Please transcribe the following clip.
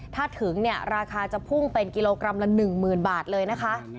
ถ้าถึงเนี่ยราคาจะพุ่งเป็นกิโลกรัมละ๑๐๐๐บาทเลยนะคะ